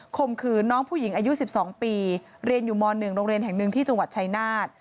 มขืนน้องผู้หญิงอายุ๑๒ปีเรียนอยู่ม๑โรงเรียนแห่งหนึ่งที่จังหวัดชายนาฏ